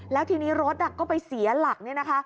แล้วทีนี้รถก็ไปเสียหลัก